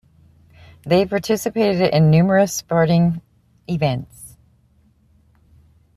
They participated in numerous supporting events.